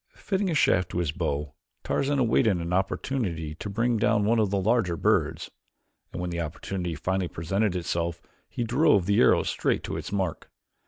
Fitting a shaft to his bow Tarzan awaited an opportunity to bring down one of the larger birds, and when the opportunity finally presented itself he drove the arrow straight to its mark.